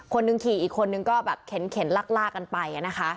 คนดึงขี่อีกคนก็เข็นลากกันไป